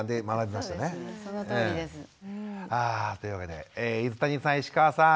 というわけで泉谷さん石川さん